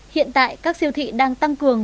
hiện tại các siêu thị đang tăng cường